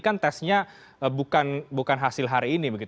kan tesnya bukan hasil hari ini